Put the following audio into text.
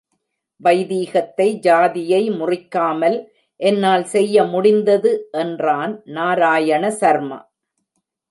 வைதீகத்தை, ஜாதியை முறிக்காமல், என்னால் செய்ய முடிந்தது என்றான் நாராயண சர்மா.